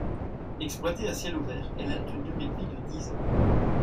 Exploitée à ciel ouvert, elle a une durée de vie de dix ans.